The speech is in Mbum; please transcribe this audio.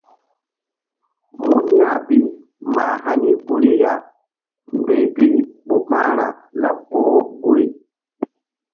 Mun ya̧h bi mah hani guri ya ndoy bi ɓu pa̧hra laɓ boh guri.